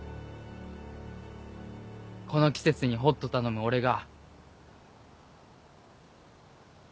この季節にホット頼む俺が。